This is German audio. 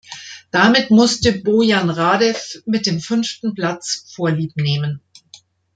Damit musste Bojan Radew mit dem fünften Platz vorliebnehmen.